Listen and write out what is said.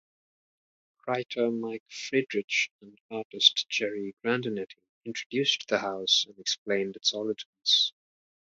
Writer Mike Friedrich and artist Jerry Grandenetti introduced the house and explained its origins.